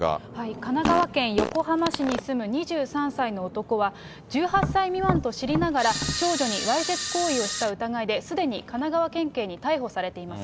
神奈川県横浜市に住む２３歳の男は、１８歳未満と知りながら、少女にわいせつ行為をした疑いで、すでに神奈川県警に逮捕されています。